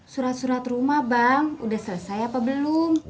surat surat rumah bang udah selesai apa belum